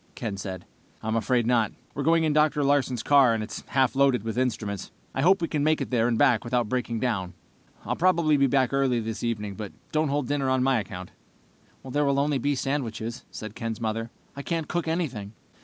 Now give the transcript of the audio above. Ken said. "I'm afraid not. We're going in Dr. Larsen's car, and it's half loaded with instruments. I hope we make it there and back without breaking down. "I'll probably be back early this evening, but don't hold dinner on my account." "There will be only sandwiches," said Ken's mother. "I can't cook anything."